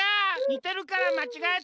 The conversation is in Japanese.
にてるからまちがえた。